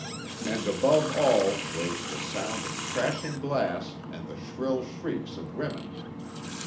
And above all rose the sound of crashing glass and the shrill shrieks of women.